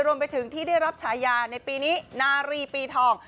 รวมไปถึงที่ได้รับฉายาในปีนี้นารีปีทอง